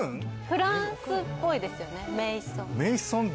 フランスっぽいですよね。